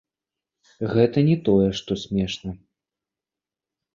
Гэта не тое што смешна.